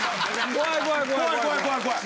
怖い怖い怖い怖い。